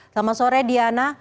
selamat sore diana